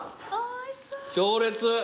強烈。